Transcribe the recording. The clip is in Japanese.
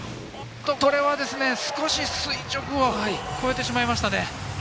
これは少し垂直を超えてしまいましたね。